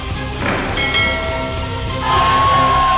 satu dua tiga empat lima